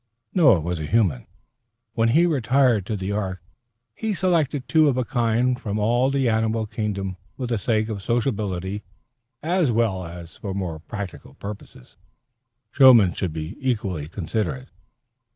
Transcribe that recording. Noah was human. When he retired to the ark, he selected two of a kind from all the animal kingdom for the sake of sociability as well as for more practical purposes. Showmen should be equally considerate.